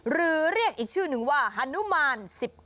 หรือเรียกอีกชื่อนึงว่าฮานุมาน๑๙